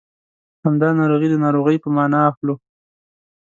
همدا ناروغي د ناروغۍ په مانا اخلو.